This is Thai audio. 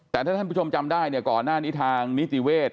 แต่ถ้าท่านผู้ชมจำได้เนี่ยก่อนหน้านี้ทางนิติเวศ